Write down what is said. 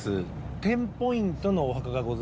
テンポイントのお墓がございます